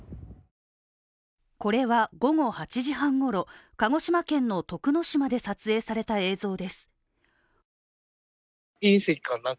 こちらは午後８時半ごろ、鹿児島県の徳之島で撮影された映像です。